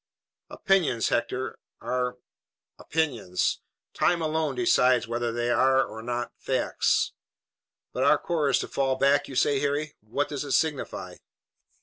"Opinions, Hector, are opinions. Time alone decides whether they are or are not facts. But our corps is to fall back, you say, Harry? What does it signify?"